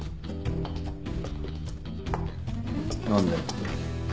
何だよ？